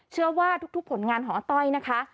เชื่อว่าทุกผลงานของอาต้อยนะคะ